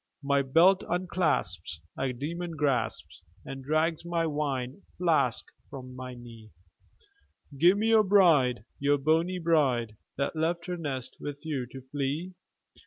My belt unclasps, a demon grasps And drags my wine flask from my knee!" "Give me your bride, your bonnie bride, That left her nest with you to flee!